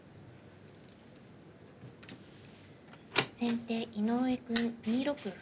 先手井上くん２六歩。